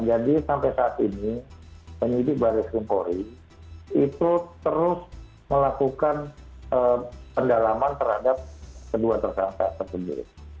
jadi sampai saat ini penyidik baris kempuri itu terus melakukan pendalaman terhadap kedua tersangka terpengirik